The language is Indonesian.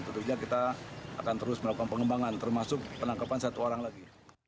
tentunya kita akan terus melakukan pengembangan termasuk penangkapan satu orang lagi